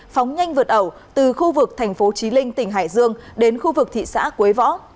phóng nhanh vượt ẩu từ khu vực thành phố trí linh tỉnh hải dương đến khu vực thị xã quế võ